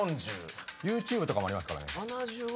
ＹｏｕＴｕｂｅとかもありますからね。